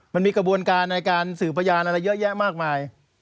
มันมีกระบวนการในการสื่อพยานอะไรเยอะแยะมากมาย